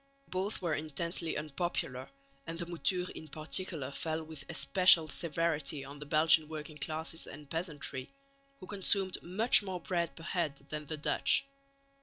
Both were intensely unpopular, and the mouture in particular fell with especial severity on the Belgian working classes and peasantry, who consumed much more bread per head than the Dutch.